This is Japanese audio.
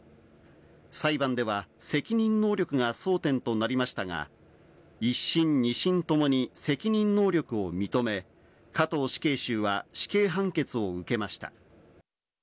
裁判では責任能力が争点となりましたが、一審、二審ともに責任能力を認め、加藤死刑囚は死刑判決を受けました。